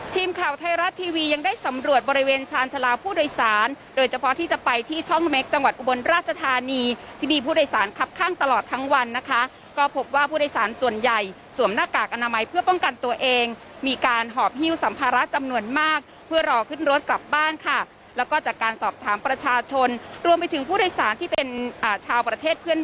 ทีมข่าวไทยรัฐทีวียังได้สำรวจบริเวณชาญชาลาผู้โดยสารโดยเฉพาะที่จะไปที่ช่องเม็กจังหวัดอุบลราชธานีที่มีผู้โดยสารคับข้างตลอดทั้งวันนะคะก็พบว่าผู้โดยสารส่วนใหญ่สวมหน้ากากอนามัยเพื่อป้องกันตัวเองมีการหอบฮิ้วสัมภาระจำนวนมากเพื่อรอขึ้นรถกลับบ้านค่ะแล้วก็จากการสอบถามประชาชนรวมไปถึงผู้โดยสารที่เป็นชาวประเทศเพื่อน